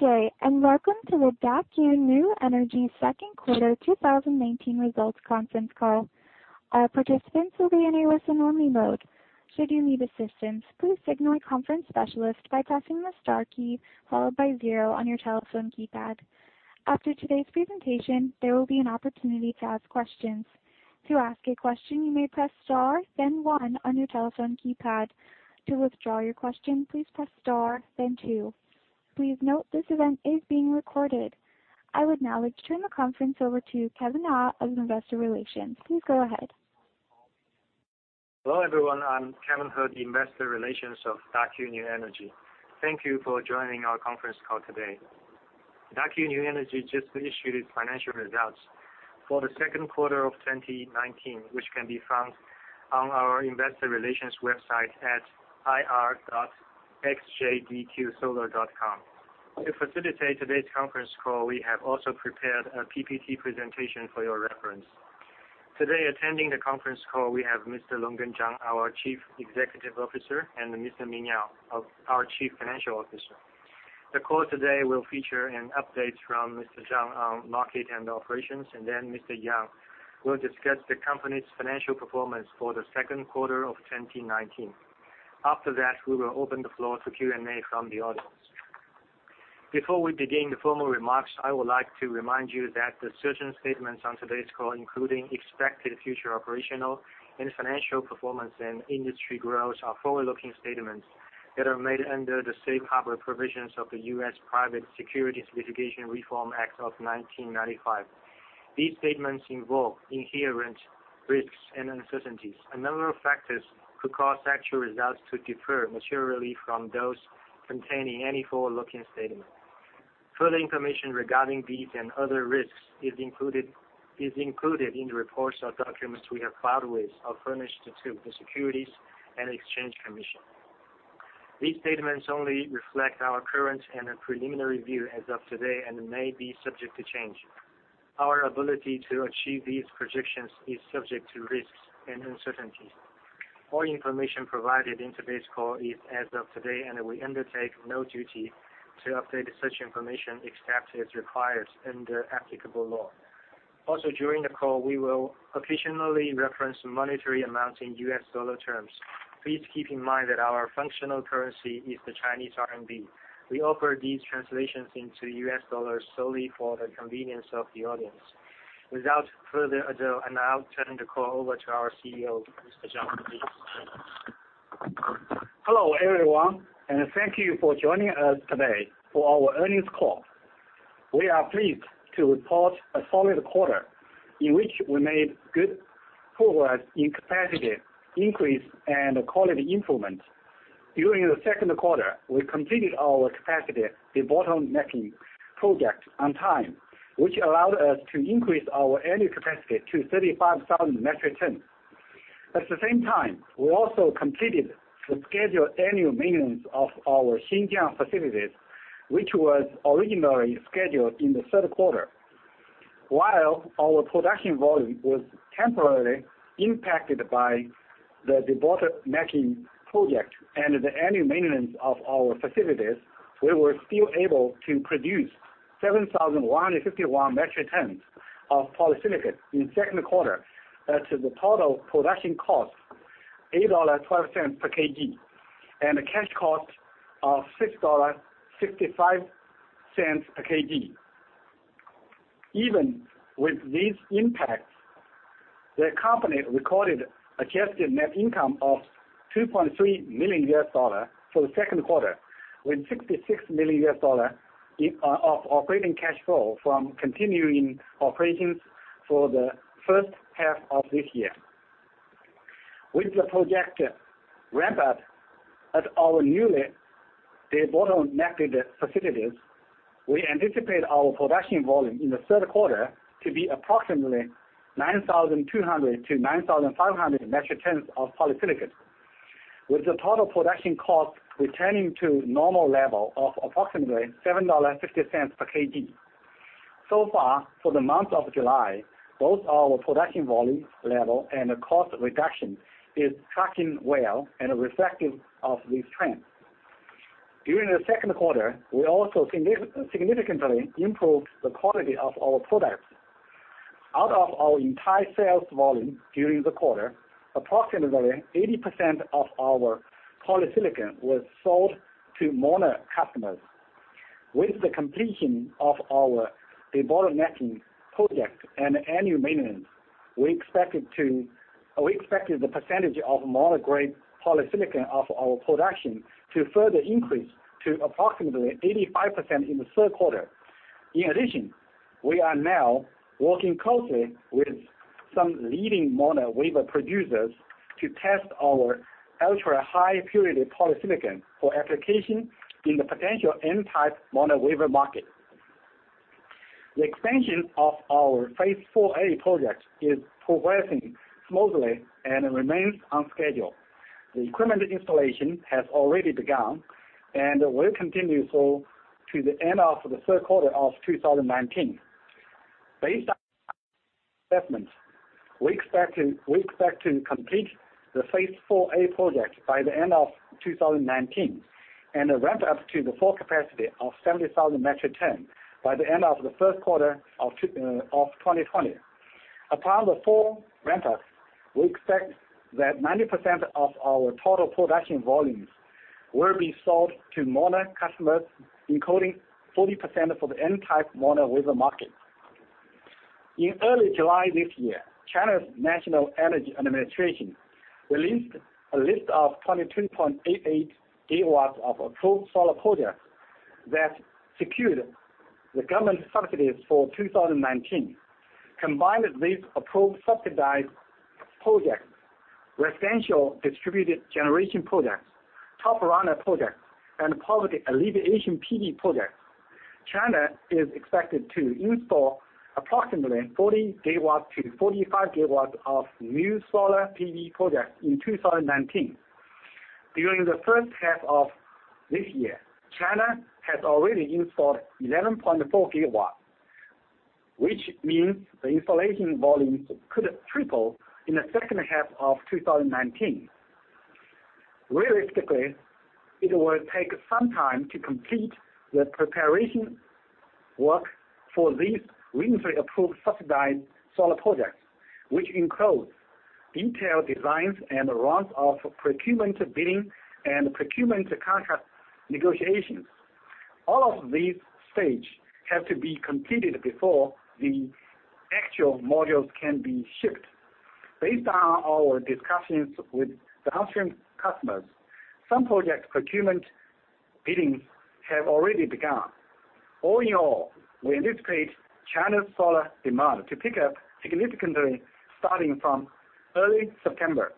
Good day, and welcome to the Daqo New Energy second quarter 2019 results conference call. All participants will be in a listen-only mode. Should you need assistance, please signal a conference specialist by pressing the star key, followed by zero on your telephone keypad. After today's presentation, there will be an opportunity to ask questions. To ask a question, you may press star, then one on your telephone keypad. To withdraw your question, please press star, then two. Please note this event is being recorded. I would now like to turn the conference over to Kevin He of Investor Relations. Please go ahead. Hello, everyone. I'm Kevin He, the Investor Relations of Daqo New Energy. Thank you for joining our conference call today. Daqo New Energy just issued its financial results for the second quarter of 2019, which can be found on our investor relations website at ir.xjdqsolar.com. To facilitate today's conference call, we have also prepared a PPT presentation for your reference. Today, attending the conference call we have Mr. Longgen Zhang, our Chief Executive Officer, and Mr. Ming Yang, our Chief Financial Officer. The call today will feature an update from Mr. Zhang on market and operations, and then Mr. Yang will discuss the company's financial performance for the second quarter of 2019. After that, we will open the floor to Q&A from the audience. Before we begin the formal remarks, I would like to remind you that the certain statements on today's call, including expected future operational and financial performance and industry growth, are forward-looking statements that are made under the safe harbor provisions of the U.S. Private Securities Litigation Reform Act of 1995. These statements involve inherent risks and uncertainties. A number of factors could cause actual results to differ materially from those containing any forward-looking statement. Further information regarding these and other risks is included in the reports or documents we have filed with or furnished to the Securities and Exchange Commission. These statements only reflect our current and preliminary view as of today and may be subject to change. Our ability to achieve these projections is subject to risks and uncertainties. All information provided in today's call is as of today, and we undertake no duty to update such information, except as required under applicable law. Also, during the call, we will occasionally reference monetary amounts in U.S. dollar terms. Please keep in mind that our functional currency is the Chinese RMB. We offer these translations into U.S. dollars solely for the convenience of the audience. Without further ado, I now turn the call over to our CEO, Mr. Zhang, please. Hello, everyone, thank you for joining us today for our earnings call. We are pleased to report a solid quarter in which we made good progress in capacity increase and quality improvement. During the second quarter, we completed our capacity debottlenecking project on time, which allowed us to increase our annual capacity to 35,000 metric ton. At the same time, we also completed the scheduled annual maintenance of our Xinjiang facilities, which was originally scheduled in the third quarter. While our production volume was temporarily impacted by the debottlenecking project and the annual maintenance of our facilities, we were still able to produce 7,151 metric tons of polysilicon in second quarter at the total production cost $8.12 per kg and a cash cost of $6.55 a kg. Even with these impacts, the company recorded adjusted net income of $2.3 million for the second quarter, with $66 million of operating cash flow from continuing operations for the first half of this year. With the project ramped up at our newly debottlenecked facilities, we anticipate our production volume in the third quarter to be approximately 9,200-9,500 metric tons of polysilicon, with the total production cost returning to normal level of approximately $7.50 per kg. For the month of July, both our production volume level and the cost reduction is tracking well and reflective of this trend. During the second quarter, we also significantly improved the quality of our products. Out of our entire sales volume during the quarter, approximately 80% of our polysilicon was sold to mono customers. With the completion of our debottlenecking project and annual maintenance, we expected the percentage of mono-grade polysilicon of our production to further increase to approximately 85% in the third quarter. In addition, we are now working closely with some leading mono wafer producers to test our ultra-high purity polysilicon for application in the potential N-type mono wafer market. The expansion of our Phase 4A project is progressing smoothly and remains on schedule. The equipment installation has already begun and will continue so to the end of the third quarter of 2019. We expect to complete the phase IV-A project by the end of 2019 and ramp up to the full capacity of 70,000 metric tons by the end of the 1st quarter of 2020. Upon the full ramp-up, we expect that 90% of our total production volumes will be sold to mono customers, including 40% for the N-type mono wafer market. In early July this year, China's National Energy Administration released a list of 22.88 GW of approved solar projects that secured the government subsidies for 2019. Combined with these approved subsidized projects, residential distributed generation projects, Top Runner projects, and poverty alleviation PV projects, China is expected to install approximately 40 GW-45 GW of new solar PV projects in 2019. During the first half of this year, China has already installed 11.4 GW, which means the installation volumes could triple in the second half of 2019. Realistically, it will take some time to complete the preparation work for these recently approved subsidized solar projects, which includes detailed designs and rounds of procurement bidding and procurement contract negotiations. All of these stage have to be completed before the actual modules can be shipped. Based on our discussions with downstream customers, some project procurement bidding have already begun. All in all, we anticipate China's solar demand to pick up significantly starting from early September.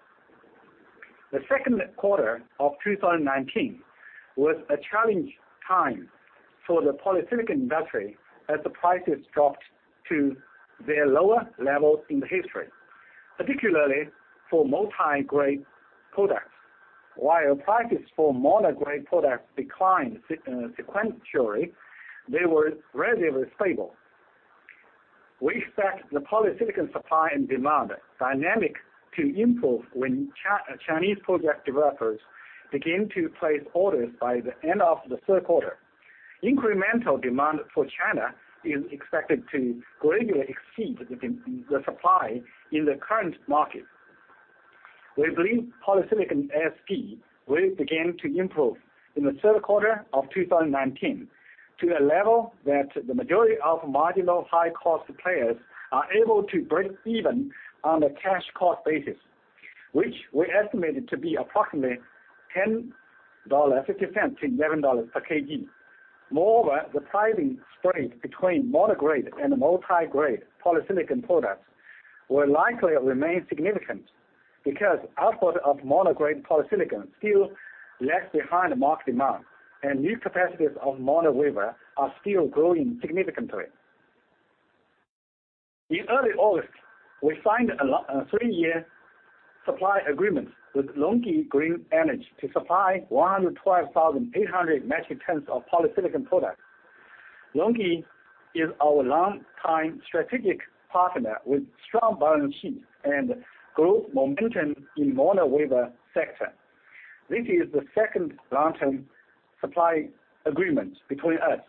The second quarter of 2019 was a challenging time for the polysilicon industry as the prices dropped to their lowest levels in the history, particularly for multi-grade products. While prices for mono-grade products declined sequentially, they were relatively stable. We expect the polysilicon supply and demand dynamic to improve when Chinese project developers begin to place orders by the end of the 3rd quarter. Incremental demand for China is expected to greatly exceed the supply in the current market. We believe polysilicon ASP will begin to improve in the 3rd quarter of 2019 to a level that the majority of marginal high-cost players are able to break even on a cash cost basis, which we estimate to be approximately $10.50-$11 per kg. Moreover, the pricing spread between mono-grade and multi-grade polysilicon products will likely remain significant because output of mono-grade polysilicon still lags behind the market demand, and new capacities of mono wafer are still growing significantly. In early August, we signed a three-year supply agreement with LONGi Green Energy to supply 112,800 metric tons of polysilicon products. LONGi is our longtime strategic partner with strong balance sheet and growth momentum in mono wafer sector. This is the second long-term supply agreement between us.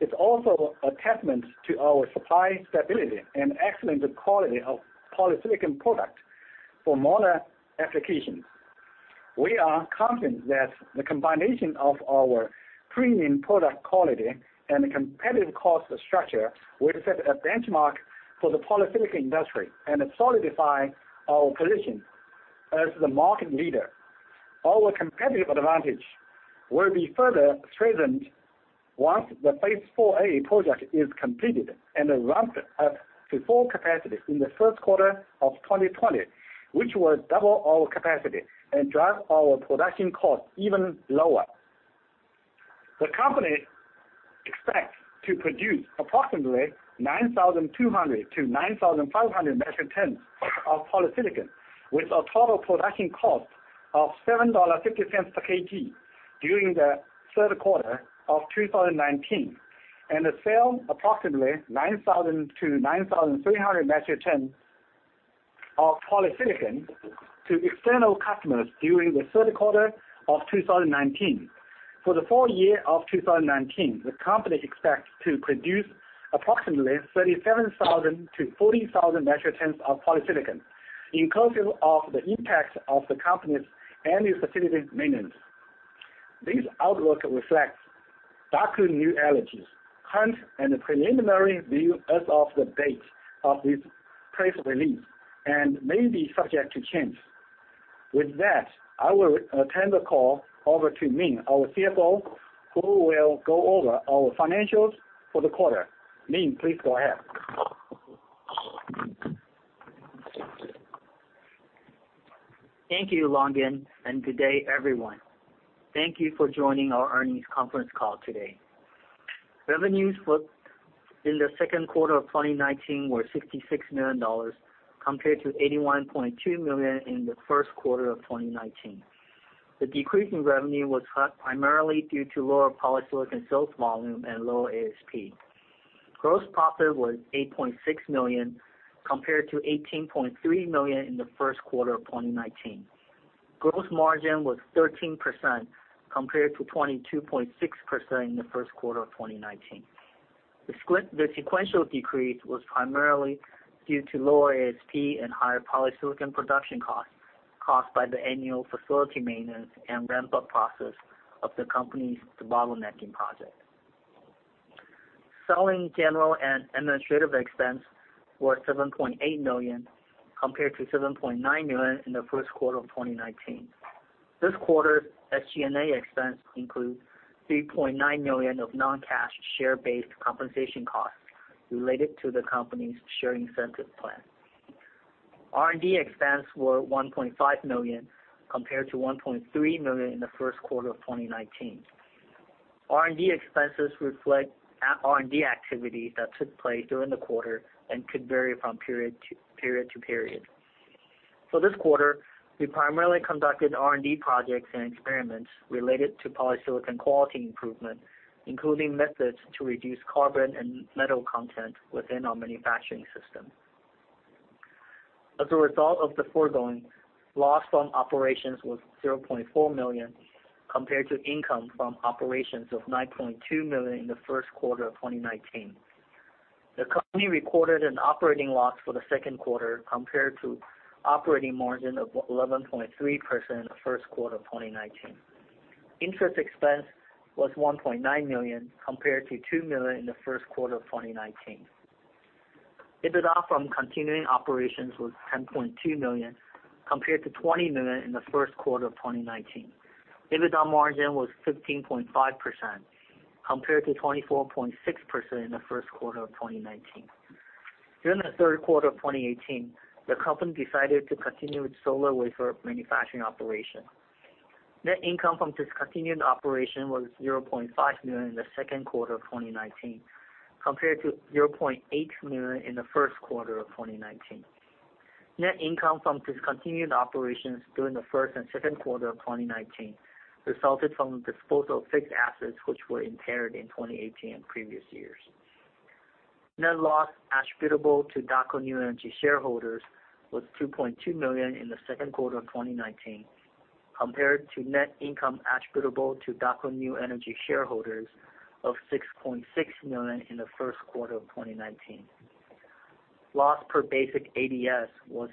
It's also a testament to our supply stability and excellent quality of polysilicon product for mono applications. We are confident that the combination of our premium product quality and competitive cost structure will set a benchmark for the polysilicon industry and solidify our position as the market leader. Our competitive advantage will be further strengthened once the phase IV-A project is completed and ramped up to full capacity in the first quarter of 2020, which will double our capacity and drive our production costs even lower. The company expects to produce approximately 9,200-9,500 metric tons of polysilicon with a total production cost of $7.50 per kg during the 3rd quarter of 2019, and sell approximately 9,000-9,300 metric ton of polysilicon to external customers during the 3rd quarter of 2019. For the full year of 2019, the company expects to produce approximately 37,000-40,000 metric tons of polysilicon, inclusive of the impact of the company's annual facility maintenance. This outlook reflects Daqo New Energy's current and preliminary view as of the date of this press release and may be subject to change. With that, I will turn the call over to Ming, our CFO, who will go over our financials for the quarter. Ming, please go ahead. Thank you, Longgen, and good day, everyone. Thank you for joining our earnings conference call today. Revenues in the second quarter of 2019 were $66 million compared to $81.2 million in the first quarter of 2019. The decrease in revenue was primarily due to lower polysilicon sales volume and lower ASP. Gross profit was $8.6 million compared to $18.3 million in the first quarter of 2019. Gross margin was 13% compared to 22.6% in the first quarter of 2019. The sequential decrease was primarily due to lower ASP and higher polysilicon production costs caused by the annual facility maintenance and ramp-up process of the company's debottlenecking project. Selling, General, and Administrative expenses were $7.8 million compared to $7.9 million in the first quarter of 2019. This quarter's SG&A expense includes $3.9 million of non-cash share-based compensation costs related to the company's share incentive plan. R&D expense were $1.5 million compared to $1.3 million in the first quarter of 2019. R&D expenses reflect R&D activity that took place during the quarter and could vary from period to period. For this quarter, we primarily conducted R&D projects and experiments related to polysilicon quality improvement, including methods to reduce carbon and metal content within our manufacturing system. As a result of the foregoing, loss from operations was $0.4 million compared to income from operations of $9.2 million in the first quarter of 2019. The company recorded an operating loss for the second quarter compared to operating margin of 11.3% in the first quarter of 2019. Interest expense was $1.9 million compared to $2 million in the first quarter of 2019. EBITDA from continuing operations was $10.2 million compared to $20 million in the first quarter of 2019. EBITDA margin was 15.5% compared to 24.6% in the first quarter of 2019. During the third quarter of 2018, the company decided to continue its solar wafer manufacturing operation. Net income from discontinued operations was $0.5 million in the second quarter of 2019 compared to $0.8 million in the first quarter of 2019. Net income from discontinued operations during the first and second quarter of 2019 resulted from the disposal of fixed assets, which were impaired in 2018 and previous years. Net loss attributable to Daqo New Energy shareholders was $2.2 million in the second quarter of 2019 compared to net income attributable to Daqo New Energy shareholders of $6.6 million in the first quarter of 2019. Loss per basic ADS was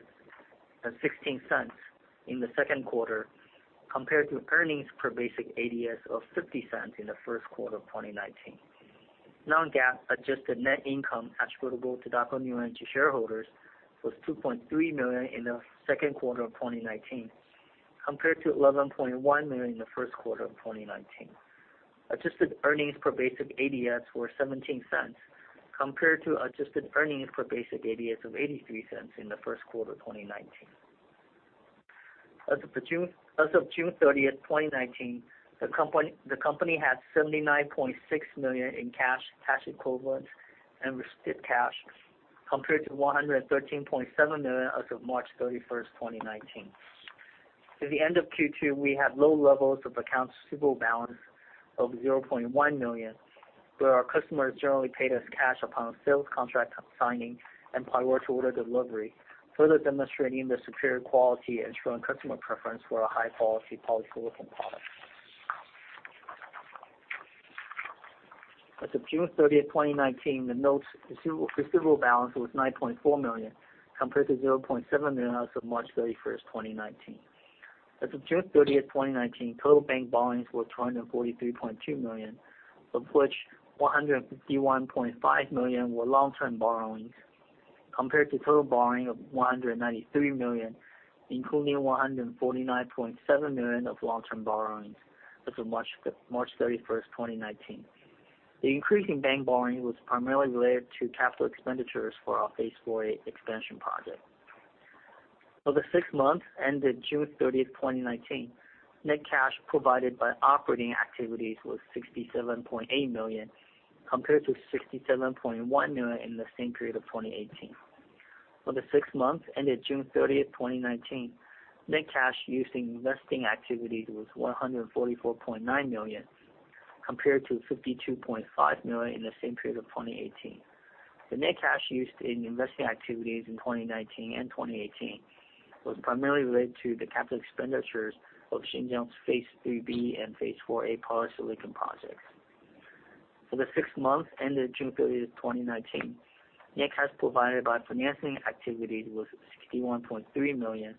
$0.16 in the second quarter compared to earnings per basic ADS of $0.50 in the first quarter of 2019. Non-GAAP adjusted net income attributable to Daqo New Energy shareholders was $2.3 million in the second quarter of 2019 compared to $11.1 million in the first quarter of 2019. Adjusted earnings per basic ADS were $0.17 compared to adjusted earnings per basic ADS of $0.83 in the first quarter of 2019. As of June 30, 2019, the company had $79.6 million in cash equivalents and restricted cash compared to $113.7 million as of March 31, 2019. At the end of Q2, we had low levels of accounts receivable balance of $0.1 million, where our customers generally paid us cash upon sales contract signing and prior to order delivery, further demonstrating the superior quality and strong customer preference for our high-quality polysilicon products. As of June 30, 2019, the notes receivable balance was $9.4 million compared to $0.7 million as of March 31, 2019. As of June 30th, 2019, total bank borrowings were $243.2 million, of which $151.5 million were long-term borrowings compared to total borrowing of $193 million, including $149.7 million of long-term borrowings as of March 31st, 2019. The increase in bank borrowing was primarily related to capital expenditures for our phase IV-A expansion project. For the six months ended June 30th, 2019, net cash provided by operating activities was $67.8 million compared to $67.1 million in the same period of 2018. For the six months ended June 30th, 2019, net cash used in investing activities was $144.9 million compared to $52.5 million in the same period of 2018. The net cash used in investing activities in 2019 and 2018 was primarily related to the capital expenditures of Xinjiang's phase III-B and phase IV-A polysilicon projects. For the six months ended June 30, 2019, net cash provided by financing activities was $61.3 million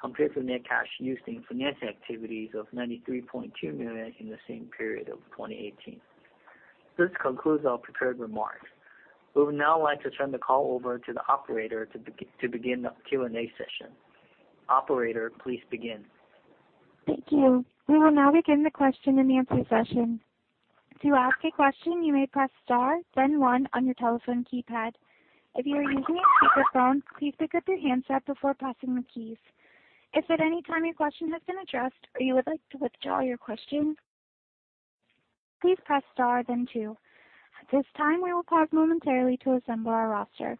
compared to net cash used in financing activities of $93.2 million in the same period of 2018. This concludes our prepared remarks. We would now like to turn the call over to the operator to begin the Q&A session. Operator, please begin. Thank you. We will now begin the question-and-answer session. To ask a question, you may press star then one on your telephone keypad. If you are using a speakerphone, please pick up your handset before passing with keys. If at any time a question has been addressed, or you would like to withdraw your question, please press star then two. At this time, I'll pause momentarily to assemble our roster.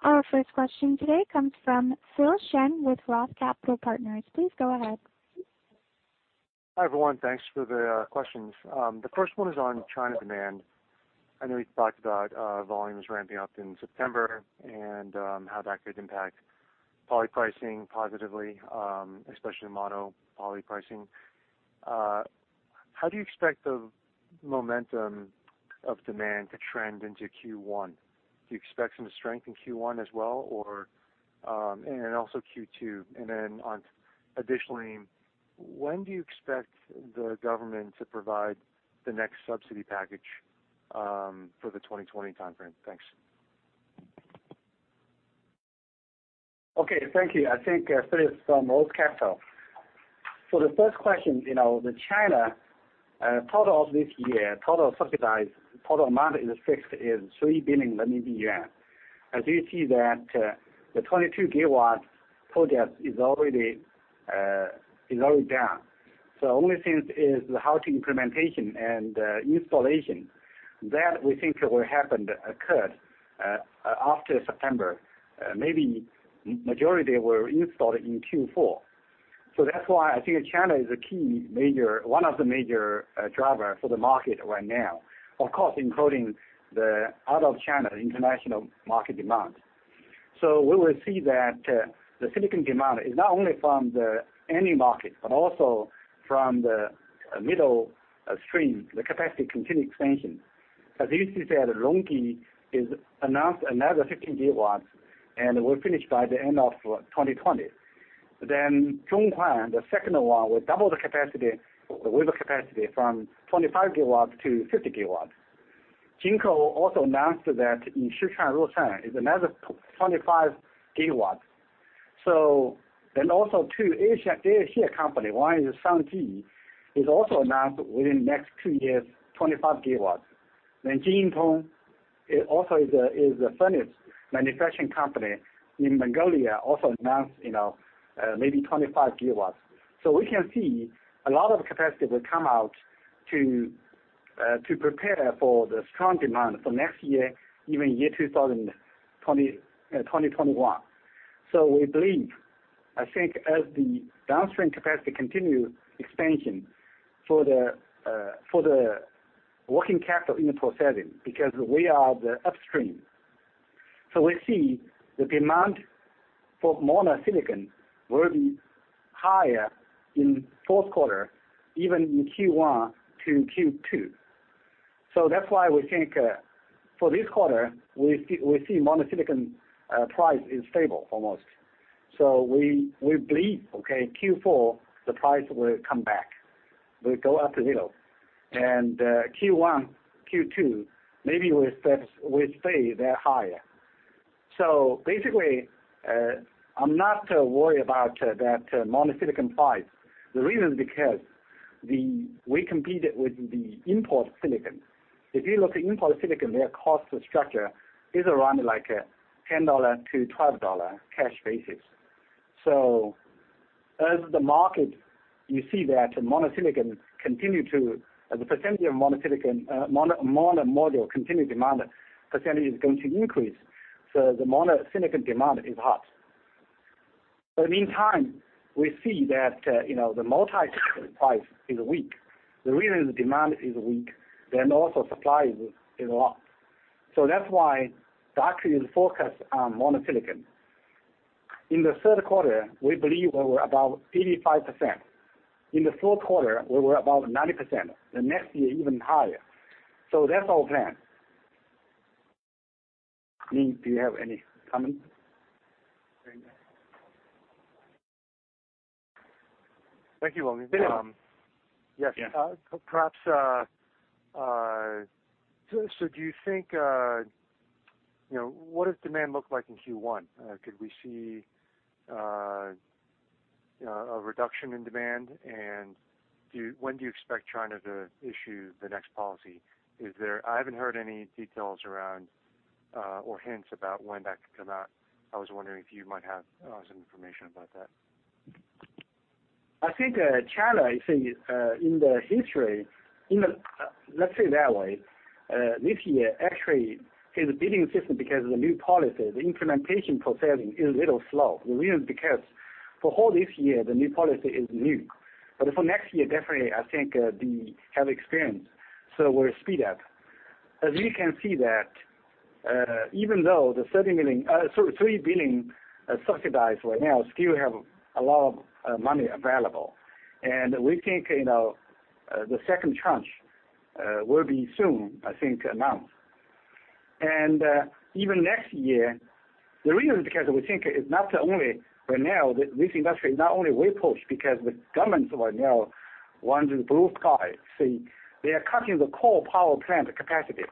Our first question today comes from Philip Shen with Roth Capital Partners. Please go ahead. Hi, everyone. Thanks for the questions. The first one is on China demand. I know you talked about volumes ramping up in September and how that could impact poly pricing positively, especially mono poly pricing. How do you expect the momentum of demand to trend into Q1? Do you expect some strength in Q1 as well, or, and then also Q2? Additionally, when do you expect the government to provide the next subsidy package for the 2020 timeframe? Thanks. Okay. Thank you. I think Philip is from Roth Capital. For the first question, you know, the China total of this year, total subsidized, total amount is fixed is 3 billion. As you see that, the 22 GW project is already down. Only things is how to implementation and installation. That we think will happen, occur after September. Maybe majority were installed in Q4. That's why I think China is one of the major drivers for the market right now. Of course, including the out of China international market demand. We will see that the silicon demand is not only from the end market, but also from the middle stream, the capacity continued expansion. You see that LONGi is announced another 15 GW and will finish by the end of 2020. Zhonghuan, the second one, will double the capacity, with the capacity from 25 GW-50 GW. Jinko also announced that in Sichuan, Leshan is another 25 GW. The A-share company, one is Shangji, also announced within next two years, 25 GW. Jingsheng also is a furnace manufacturing company in Inner Mongolia, also announced, you know, maybe 25 GW. We can see a lot of capacity will come out to prepare for the strong demand for next year, even year 2020, 2021. We believe, I think as the downstream capacity continue expansion for the working capital import setting, because we are the upstream. We see the demand for mono silicon will be higher in 4th quarter, even in Q1 to Q2. That's why we think, for this quarter, we see mono silicon price is stable almost. We believe, okay, Q4 the price will come back, will go up a little. Q1, Q2, maybe we expect will stay there higher. Basically, I'm not worried about that mono silicon price. The reason is because we compete it with the import silicon. If you look at import silicon, their cost structure is around like $10-$12 cash basis. As the market, you see that mono silicon the percentage of mono silicon mono module continue demand percentage is going to increase. The mono silicon demand is hot. Meantime, we see that, you know, the multi price is weak. The reason the demand is weak, then also supply is low. That's why Daqo is focused on mono silicon. In the third quarter, we believe we were about 85%. In the fourth quarter, we were about 90%. Next year, even higher. That's our plan. Ming, do you have any comment? Thank you, Ming Yang. Yes. Perhaps, so do you think, you know, what does demand look like in Q1? Could we see a reduction in demand? When do you expect China to issue the next policy? I haven't heard any details around or hints about when that could come out. I was wondering if you might have some information about that. I think China, I think in the history, let's say it that way. This year actually, is a bidding system because of the new policy. The implementation processing is a little slow. The reason because for whole this year, the new policy is new. For next year, definitely I think have experience, so will speed up. As we can see that, even though the $30 million, sorry, $3 billion subsidized right now still have a lot of money available. We think, you know, the second tranche will be soon, I think, announced. Even next year, the reason is because we think it's not only renewable, this industry is not only we push because the governments right now want the blue sky. See, they are cutting the coal power plant capacity.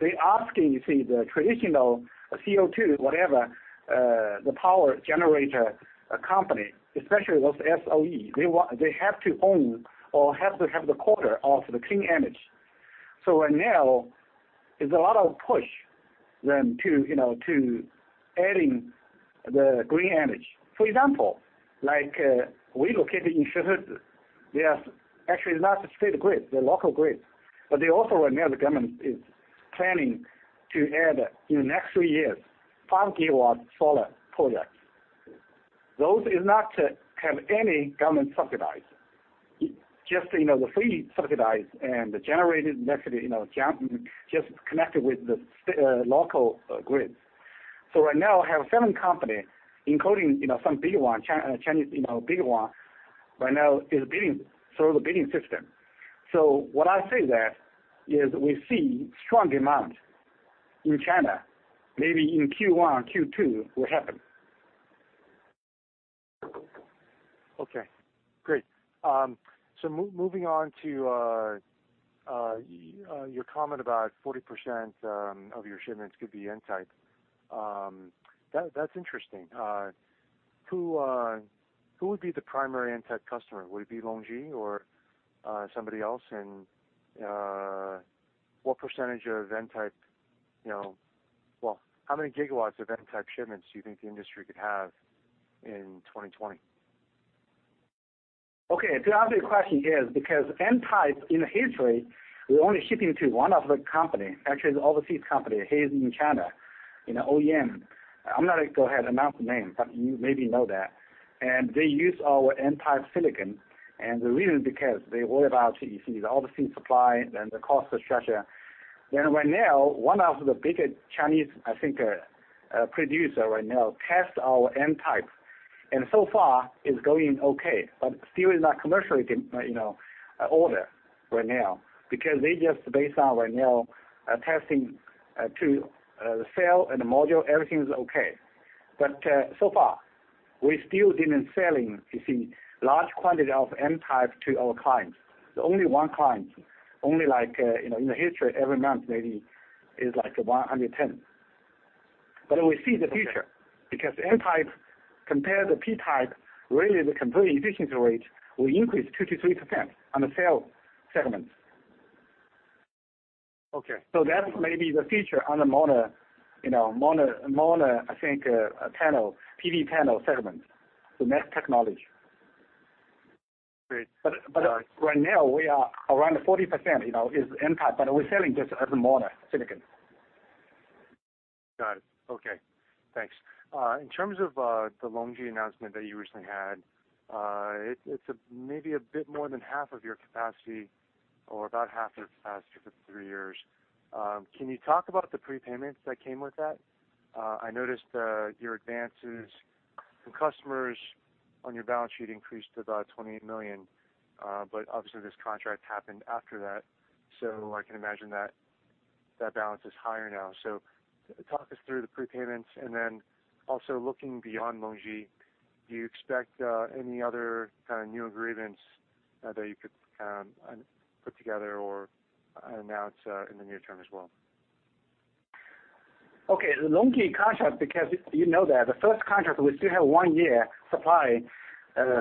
They asking, you see, the traditional CO2, whatever, the power generator company, especially those SOE, they have to own or have to have the quarter of the clean energy. Renewable is a lot of push to, you know, to adding the green energy. For example, like, we located in Shihezi. There's actually not a state grid, the local grid, but they also right now the government is planning to add in the next three years 5 GW solar projects. Those is not have any government subsidize. Just, you know, the free subsidize and the generated method, you know, just connected with the local grid. Right now, I have seven company, including, you know, some big one, Chinese, you know, big one right now is bidding through the bidding system. What I say that is we see strong demand in China, maybe in Q1 or Q2 will happen. Okay, great. Moving on to your comment about 40% of your shipments could be N-type. That's interesting. Who would be the primary N-type customer? Would it be LONGi or somebody else? What percentage of N-type, you know, well, how many gigawatts of N-type shipments do you think the industry could have in 2020? Okay. To answer your question is because N-type in history, we only ship into one of the company, actually it's overseas company here in China, you know, OEM. I'm not gonna go ahead announce the name, but you maybe know that. They use our N-type silicon, and the reason because they worry about, you see, the overseas supply and the cost structure. Right now, one of the biggest Chinese, I think, producer right now test our N-type, and so far it's going okay, but still is not commercially can, you know, order right now because they just based on right now, testing to the cell and the module, everything is okay. So far, we still didn't selling, you see, large quantity of N-type to our clients. The only one client, only like, you know, in the history every month maybe is like 100 tons. We see the future. Okay. Because N-type compare the P-type, really, the conversion efficiency rate will increase 2%-3% on the cell segments. Okay. That may be the future on the mono, you know, mono, I think, panel, PV panel segment, the next technology. Great. Right now, we are around 40%, you know, is N-type, but we're selling just as a monocrystalline silicon. Got it. Okay, thanks. In terms of the LONGi announcement that you recently had, it's a maybe a bit more than half of your capacity or about half of capacity for three years. Can you talk about the prepayments that came with that? I noticed your advances from customers on your balance sheet increased to about $28 million. Obviously, this contract happened after that. I can imagine that balance is higher now. Talk us through the prepayments. Then, also looking beyond LONGi, do you expect any other kind of new agreements that you could put together or announce in the near term as well? Okay. The LONGi contract, because you know that the first contract, we still have one year supply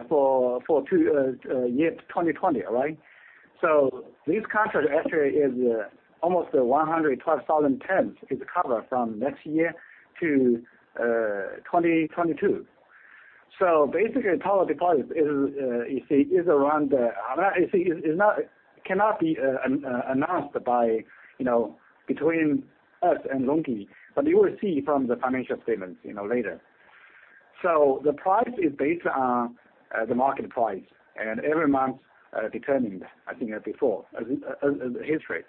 for two years 2020, right? This contract actually is almost 112,000 tons is covered from next year to 2022. Basically, total deposit is, you see, is around, I mean, you see, is not announced by, you know, between us and LONGi, but you will see from the financial statements, you know, later. The price is based on the market price, and every month determined, I think, before as history.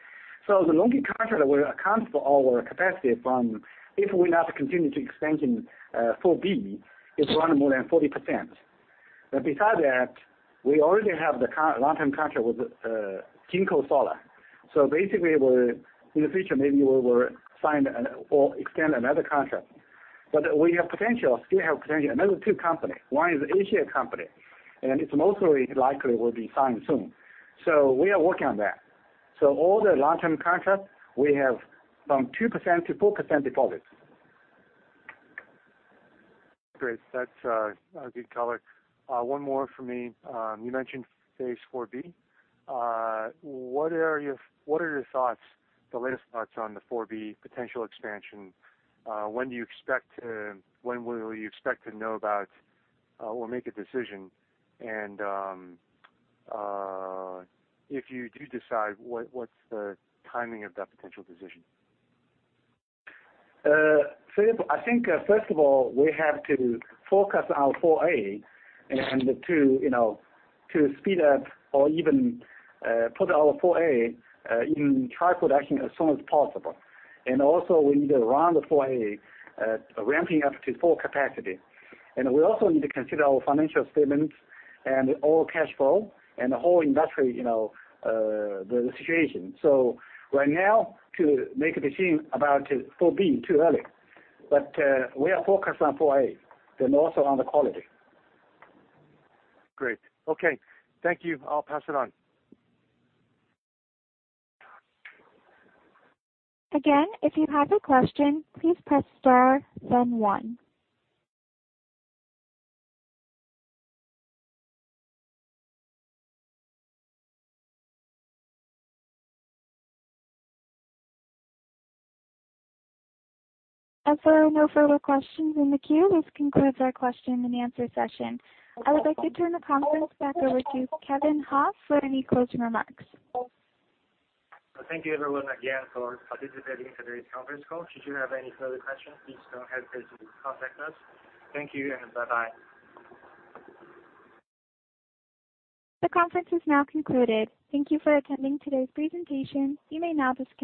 The LONGi contract will account for our capacity from if we not continue to expand in phase IV-B, it's around more than 40%. Besides that, we already have the long-term contract with JinkoSolar. Basically, in the future, maybe we will sign an or extend another contract. We have potential, still have potential another two company. One is an A-share company, and it's most likely will be signed soon. We are working on that. All the long-term contracts we have from 2%-4% deposit. Great. That's a good color. One more for me. You mentioned phase IV-B. What are your thoughts, the latest thoughts on the phase IV-B potential expansion? When will you expect to know about or make a decision? If you do decide, what's the timing of that potential decision? I think, first of all, we have to focus on IV-A and to, you know, to speed up or even put our 4A in high production as soon as possible. Also, we need to run the IV-A ramping up to full capacity. We also need to consider our financial statements and all cash flow and the whole industry, you know, the situation. Right now to make a decision about IV-B, too early. We are focused on IV-A and also on the quality. Great. Okay. Thank you. I'll pass it on. Again, if you have a question, please press star then one. As there are no further questions in the queue, this concludes our question-and-answer session. I would like to turn the conference back over to Kevin He for any closing remarks. Thank you, everyone, again for participating in today's conference call. Should you have any further questions, please don't hesitate to contact us. Thank you and bye-bye. The conference is now concluded. Thank you for attending today's presentation. You may now disconnect.